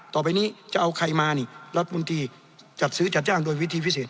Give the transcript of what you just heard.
ต่อไปนี้จะเอาใครมานี่รัฐมนตรีจัดซื้อจัดจ้างโดยวิธีพิเศษ